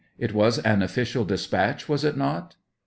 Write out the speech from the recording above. It was an official despatch, was it not